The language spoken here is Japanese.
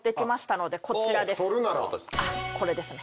これですね。